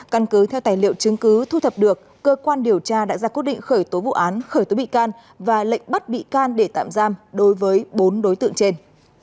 căn cứ theo tài liệu chứng cứ thu thập được cơ quan điều tra đã ra quyết định khởi tố vụ án khởi tố bị can và lệnh bắt bị can để tạm giam đối với bốn đối tượng trên